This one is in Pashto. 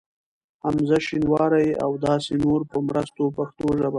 حمزه شینواري ا و داسی نورو په مرسته پښتو ژبه